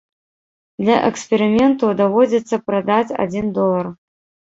Для эксперыменту даводзіцца прадаць адзін долар.